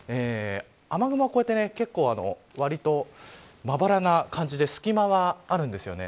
雨雲はこうやって、結構割とまばらな感じで隙間はあるんですよね。